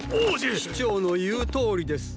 市長の言うとおりです。